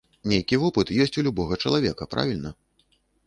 Нейкі вопыт ёсць у любога чалавека, правільна?